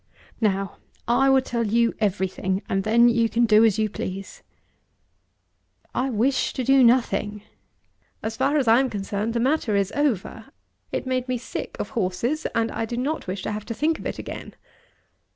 Now I will tell you everything, and then you can do as you please." "I wish to do nothing. As far as I am concerned the matter is over. It made me sick of horses, and I do not wish to have to think of it again."